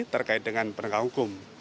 terkait dengan penegak hukum